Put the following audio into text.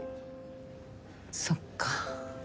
そっか。